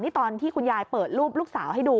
นี่ตอนที่คุณยายเปิดรูปลูกสาวให้ดู